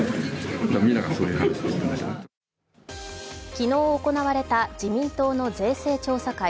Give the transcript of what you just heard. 昨日行われた自民党の税制調査会。